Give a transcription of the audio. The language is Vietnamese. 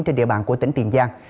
trên địa bàn của tỉnh tiền giang